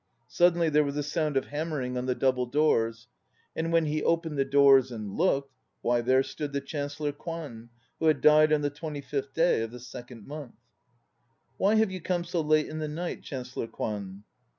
Suddenly there was a sound of hammering on the double doors And when he opened the doors and looked why, there stood the Chancellor Kwan, who had died on the twenty fifth day of the second month. "Why have you come so late in the night, Chancellor Kwan?"